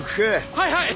はいはい。